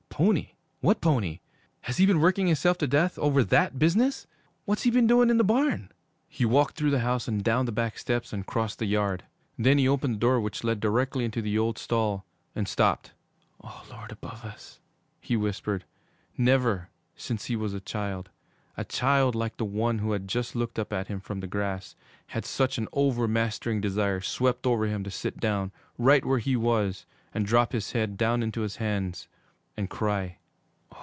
'Pony? What pony? Has he been working himself to death over that business? What's he been doing in the barn?' He walked through the house and down the back steps and crossed the yard. Then he opened the door which led directly into the old stall and stopped. 'Oh, Lord above us!' he whispered. Never, since he was a child, a child like the one who had just looked up at him from the grass, had such an over mastering desire swept over him to sit down, right where he was, and drop his head down into his hands and cry.